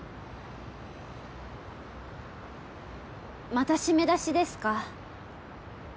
また閉め出しですか？